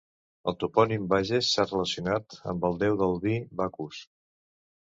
El topònim Bages s'ha relacionat amb el déu del vi Bacus.